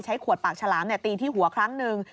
ขวดปากฉลามตีที่หัวครั้งหนึ่ง